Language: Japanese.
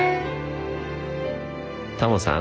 タモさん